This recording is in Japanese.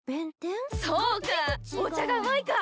そうかお茶がうまいか！